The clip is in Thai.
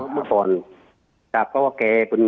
เพราะว่าแก